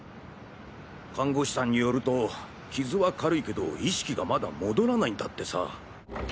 看護師さんによると傷は軽いけど意識がまだ戻らないんだってさ。